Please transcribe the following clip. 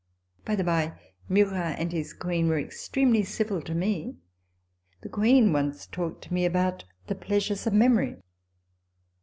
By the bye, Murat and his Queen were extremely civil to me. The Queen once talked to me about "The Pleasures of Memory."